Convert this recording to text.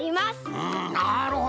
うんなるほど！